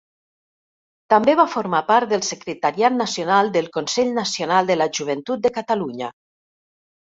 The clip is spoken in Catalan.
També va formar part del secretariat nacional del Consell Nacional de la Joventut de Catalunya.